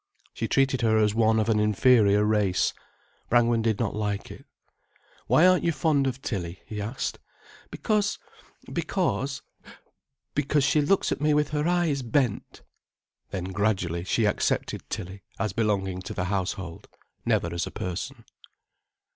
She treated her as one of an inferior race. Brangwen did not like it. "Why aren't you fond of Tilly?" he asked. "Because—because—because she looks at me with her eyes bent." Then gradually she accepted Tilly as belonging to the household, never as a person.